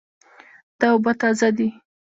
دا اوبه تازه دي